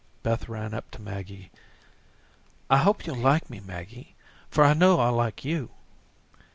Beth ran up to Maggie. "I hope you'll like me, Maggie, for I know I'll like you."